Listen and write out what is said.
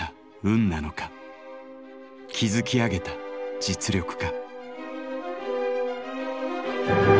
築き上げた「実力」か。